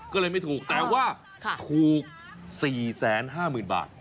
อ๋อก็เลยไม่ถูกแต่ว่าถูกสี่แสนห้าหมื่นบาท